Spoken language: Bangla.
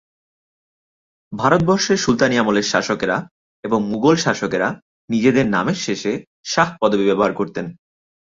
ভারতবর্ষের সুলতানী আমলের শাসকেরা এবং মোগল শাসকেরা নিজেদের নামের সাথে শাহ পদবী ব্যবহার করতেন।